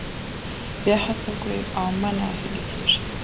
بیا هڅه وکړئ او مه نه هیلي کیږئ.